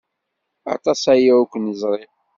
Aṭas aya ur k-neẓri.